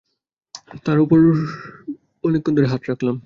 তার বুকের উপর অনেকক্ষণ ধরে হাত রাখলাম।